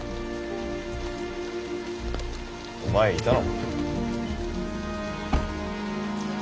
お前いたの？